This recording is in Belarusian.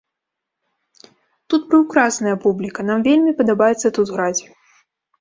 Тут прыўкрасная публіка, нам вельмі падабаецца тут граць.